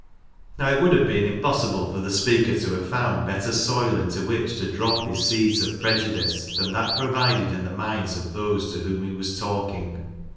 Now, it would have been impossible for the speaker to have found better soil into which to drop his seeds of prejudice than that provided in the minds of those to whom he was talking.